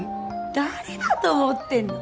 誰だと思ってんの？